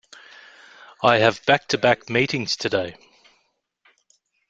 I have back-to-back meetings today.